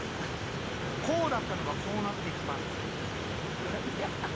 こうだったのがこうなっていくパンティー。